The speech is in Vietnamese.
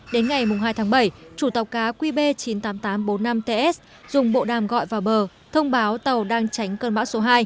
đến ngày hai tháng bảy chủ tàu cá qb chín mươi tám nghìn tám trăm bốn mươi năm ts dùng bộ đàm gọi vào bờ thông báo tàu đang tránh cơn bão số hai